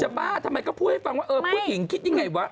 จะบ้าทำไมเขาพูดให้ฟังว่าผู้หญิงคิดอย่างไรวะ